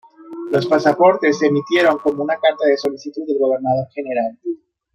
Los pasaportes se emitieron como una Carta de Solicitud del Gobernador General.